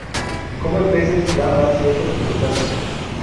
Come peces, gambas y otros crustáceos.